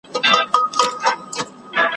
چی په دوی کی څوک احمق وي هغه خر دی ,